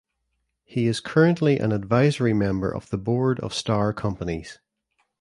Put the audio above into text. He is currently an advisory member of the board of Starr Companies.